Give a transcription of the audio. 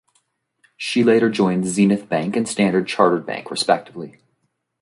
She later joined Zenith Bank and Standard Chartered Bank respectively.